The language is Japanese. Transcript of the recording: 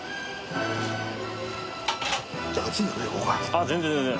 あっ全然全然！